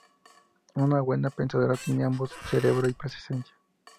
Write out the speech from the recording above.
Una buena pensadora, tiene ambos: cerebro y presencia.